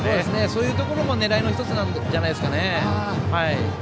そういうところも狙いの１つじゃないですかね。